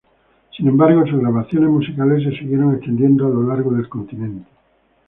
Sin embargo, sus grabaciones musicales se siguieron extendiendo a lo largo del continente.